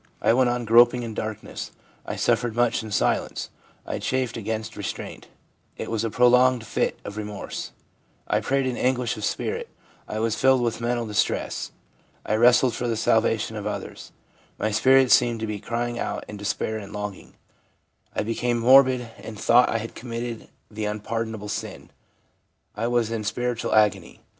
' I went on groping in darkness/ * I suffered much in silence/ ' I chafed against restraint/ * It was a pro longed fit of remorse/ ' I prayed in anguish of spirit/ 1 1 was filled with mental distress/ ' I wrestled for the salvation of others/ ' My spirit seemed to be crying out in despair and longing/ ' I became morbid, and 244 ADOLESCENCE— ALIENATION 245 thought I had committed the unpardonable sin/ l I was in spiritual agony.